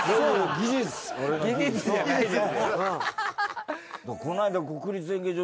技術じゃないですよ。